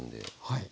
はい。